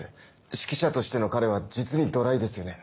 指揮者としての彼は実にドライですよね。